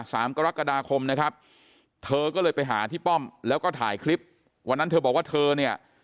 สามกรกฎาคมนะครับเธอก็เลยไปหาที่ป้อมแล้วก็ถ่ายคลิปวันนั้นเธอบอกว่าเธอเนี่ย